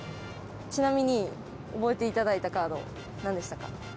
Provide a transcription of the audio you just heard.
ちなみに覚えていただいたカード何でしたか？